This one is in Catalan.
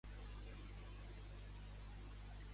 Junqueras vol exercir el vot personalment.